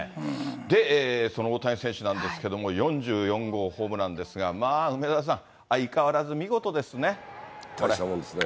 その大谷選手なんですけれども、４４号ホームランですが、まあ梅沢さん、大したもんですね。